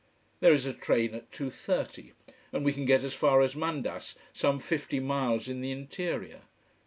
There is a train at 2.30, and we can get as far as Mandas, some fifty miles in the interior.